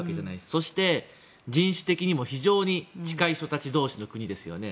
そして、人種的にも非常に近い人たち同士の国ですよね。